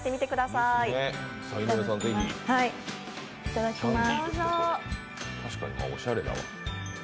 いただきます。